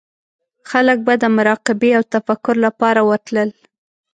خلک به د مراقبې او تفکر لپاره ورتلل.